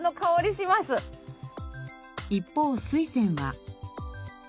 一方スイセンは。